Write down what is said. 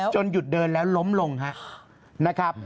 หยุดเดินแล้วล้มลงนะครับ